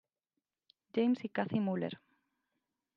James y Cathy Muller.